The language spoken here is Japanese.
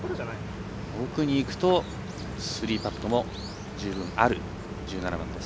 奥にいくと３パットも十分ある１７番です。